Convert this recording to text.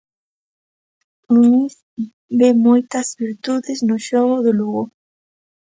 Muñiz ve moitas virtudes no xogo do Lugo.